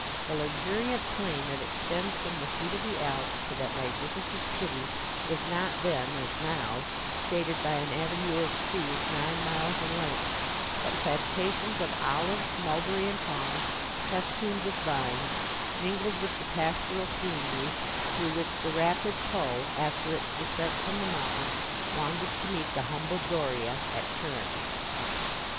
The luxuriant plain, that extends from the feet of the Alps to that magnificent city, was not then, as now, shaded by an avenue of trees nine miles in length; but plantations of olives, mulberry and palms, festooned with vines, mingled with the pastoral scenery, through with the rapid Po, after its descent from the mountains, wandered to meet the humble Doria at Turin.